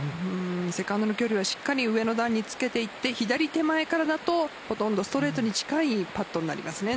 セカンドの距離をしっかり上の段につけていって左手前からだとほとんどストレートに近いパットになります。